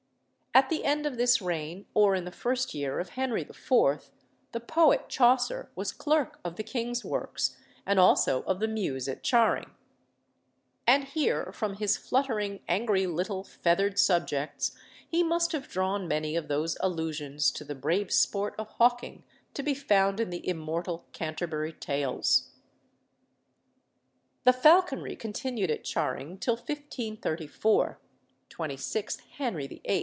At the end of this reign or in the first year of Henry IV., the poet Chaucer was clerk of the king's works and also of the Mews at Charing; and here, from his fluttering, angry little feathered subjects, he must have drawn many of those allusions to the brave sport of hawking to be found in the immortal Canterbury Tales. The falconry continued at Charing till 1534 (26th Henry VIII.)